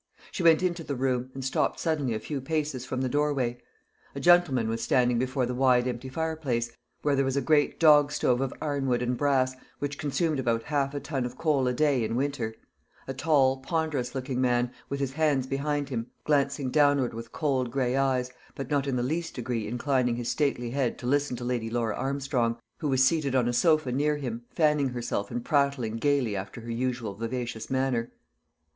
She went into the room, and stopped suddenly a few paces from the doorway. A gentleman was standing before the wide empty fireplace, where there was a great dog stove of ironwork and brass which consumed about half a ton of coal a day in winter; a tall, ponderous looking man, with his hands behind him, glancing downward with cold gray eyes, but not in the least degree inclining his stately head to listen to Lady Laura Armstrong, who was seated on a sofa near him, fanning herself and prattling gaily after her usual vivacious manner.